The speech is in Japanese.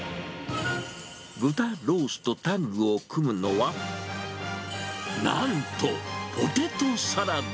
豚ロースとタッグを組むのは、なんとポテトサラダ。